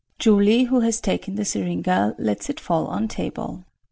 [Julie who has taken the syringa lets it fall on table.